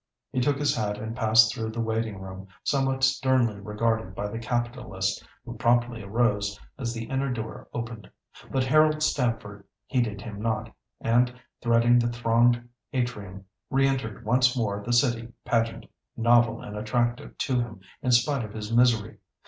He took his hat and passed through the waiting room, somewhat sternly regarded by the capitalist, who promptly arose as the inner door opened. But Harold Stamford heeded him not, and threading the thronged atrium, re entered once more the city pageant, novel and attractive to him in spite of his misery.